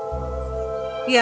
aku akan memeriksanya